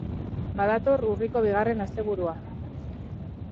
Badator urriko bigarren asteburua.